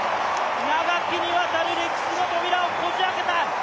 長きにわたる歴史の扉をこじ開けた。